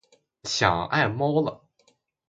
想爱猫了